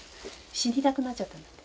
死にたくなっちゃったんだって。